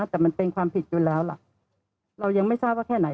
แต่มันเป็นความผิดอยู่แล้วล่ะเรายังไม่ทราบว่าแค่ไหน